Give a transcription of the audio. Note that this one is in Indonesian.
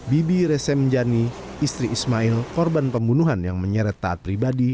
bibi resem jani istri ismail korban pembunuhan yang menyeret taat pribadi